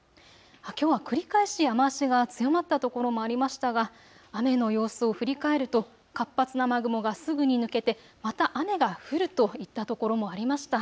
きょうは繰り返し雨足が強まった所もありましたが雨の様子を振り返ると活発な雨雲がすぐに抜けて、また雨が降るといった所もありました。